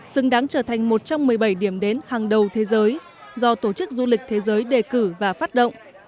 xứng đáng trở thành một trong một mươi bảy điểm đến hàng đầu thế giới do tổ chức du lịch thế giới đề cử và phát động